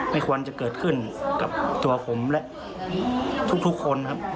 ไม่ควรจะเกิดขึ้นกับตัวผมและทุกคนครับ